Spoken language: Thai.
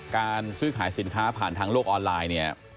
การซื้อขายสินค้าผ่านทางโลกออนไลน์เนี่ย